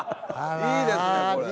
いいですねこれ。